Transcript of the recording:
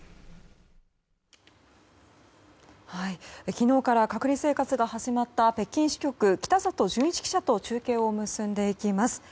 昨日から隔離生活が始まった北京支局、北里純一記者と中継を結んでいきます。